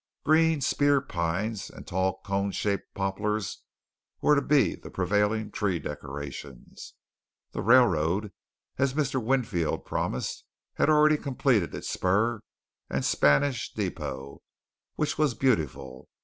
Green spear pines and tall cone shaped poplars were to be the prevailing tree decorations. The railroad, as Mr. Winfield promised, had already completed its spur and Spanish depot, which was beautiful.